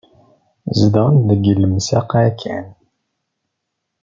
Zedɣen deg lemsaq-a kan.